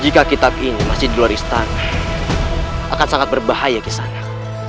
jika kitab ini masih di luar istana akan sangat berbahaya kisahnya